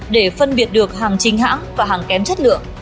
để phân biệt được hàng chính hãng và hàng kém chất lượng